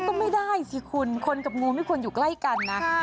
ก็ไม่ได้สิคุณคนกับงูไม่ควรอยู่ใกล้กันนะ